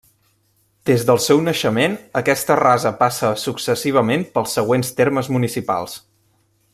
Des del seu naixement aquesta rasa passa successivament pels següents termes municipals.